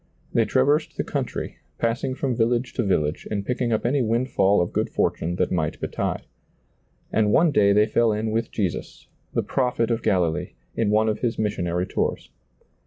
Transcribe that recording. They trav ersed the country, passing from village to village and picking up any windfall of good fortune that might betide. And one day they fell in with Jesus, the prophet of Galilee, in one of His mis sionary tours.